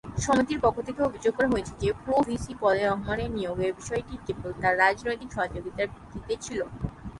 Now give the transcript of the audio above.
সমিতির পক্ষ থেকে অভিযোগ করা হয়েছে যে প্রো-ভিসি পদে রহমানের নিয়োগের বিষয়টি কেবল তার রাজনৈতিক সহযোগিতার ভিত্তিতে ছিল।